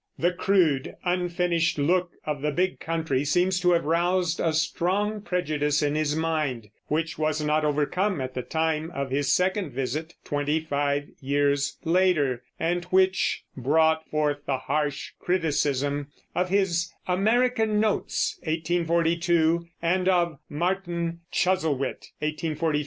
The crude, unfinished look of the big country seems to have roused a strong prejudice in his mind, which was not overcome at the time of his second visit, twenty five years later, and which brought forth the harsh criticism of his American Notes (1842) and of Martin Chuzzlewit (1843 1844).